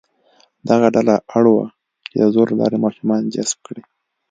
دغه ډله اړ وه چې د زور له لارې ماشومان جذب کړي.